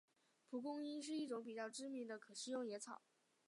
蒲公英是一种比较知名的可食用野草。